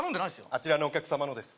あちらのお客様のです